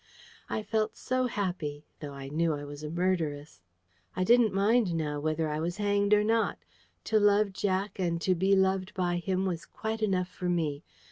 I felt so happy, though I knew I was a murderess. I didn't mind now whether I was hanged or not. To love Jack and be loved by him was quite enough for me.